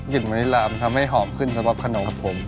กลิ่นวานิลลามันทำให้หอบขึ้นสำหรับขนมครับผม